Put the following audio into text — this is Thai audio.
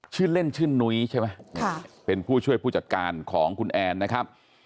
ชื่อเล่นชื่อนุ้ยใช่ไหมเป็นผู้ช่วยผู้จัดการของคุณแอนนะครับ